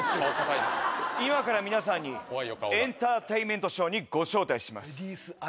今から皆さんにエンターテインメントショーにご招待します。